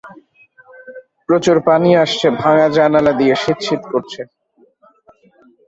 প্রচুর পানি আসছে ভাঙ্গা জানালা দিয়ে, শীত-শীত করছে।